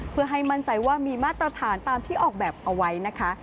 เพื่อให้มั่นใจว่ามีมาตรฐานตามที่ออกแบบเอาไว้นะคะ